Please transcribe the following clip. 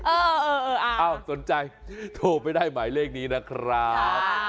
เออสนใจโทรไปได้หมายเลขนี้นะครับ